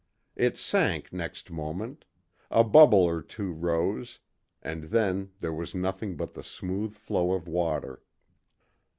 It sank next moment; a bubble or two rose, and then there was nothing but the smooth flow of water.